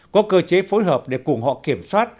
có cơ chế phối hợp để cùng họ kiểm soát